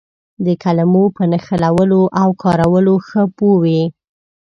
د کلمو په نښلولو او کارولو ښه پوه وي.